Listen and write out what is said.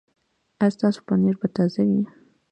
ایا ستاسو پنیر به تازه وي؟